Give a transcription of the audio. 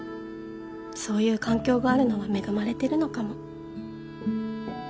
そういう環境があるのは恵まれてるのかも。